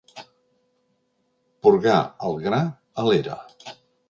Porgar el gra a l'era.